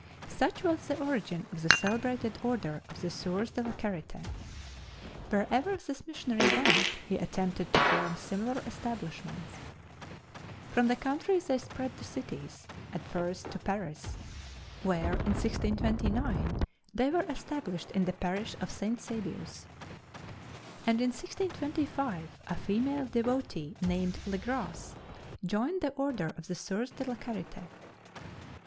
Such was the origin of the celebrated order of the Soeurs de la Charite. Wherever this missionary went he attempted to form similar establishments. From the country they spread to cities, and first to Paris, where, in 1629, they were established in the parish of St. Savious. And in 1625 a female devotee, named Le Gras, joined the order of the Soeurs de la Charite.